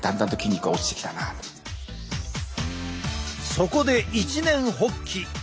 そこで一念発起。